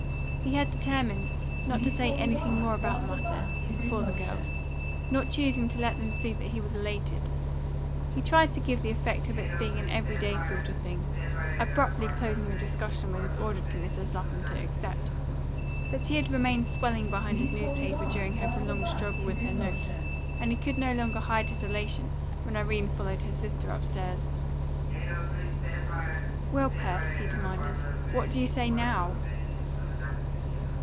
He had determined not to say anything more about the matter before the girls, not choosing to let them see that he was elated; he tried to give the effect of its being an everyday sort of thing, abruptly closing the discussion with his order to Mrs. Lapham to accept; but he had remained swelling behind his newspaper during her prolonged struggle with her note, and he could no longer hide his elation when Irene followed her sister upstairs. "Well, Pers," he demanded, "what do you say now?"